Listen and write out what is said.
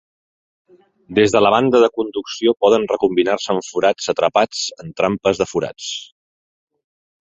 Des de la banda de conducció poden recombinar-se amb forats atrapats en trampes de forats.